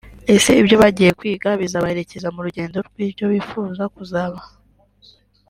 Ese ibyo bagiye kwiga bizabaherekeza mu rugendo rw’icyo bifuza kuzaba